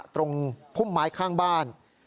พุ่มไม้ข้างบ้าน